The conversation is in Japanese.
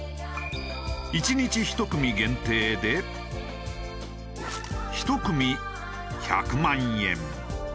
１日１組限定で１組１００万円。